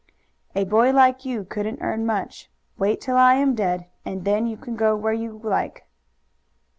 "A boy like you couldn't earn much. Wait till I am dead, and then you can go where you like."